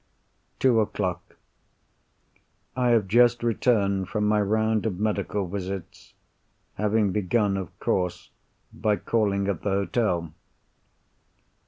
Two o'clock.—I have just returned from my round of medical visits; having begun, of course, by calling at the hotel.